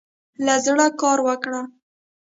له زړۀ کار وکړه.